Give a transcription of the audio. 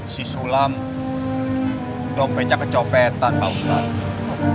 si sulam dompetnya kecopetan pak ustadz